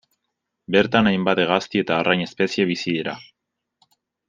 Bertan hainbat hegazti eta arrain espezie bizi dira.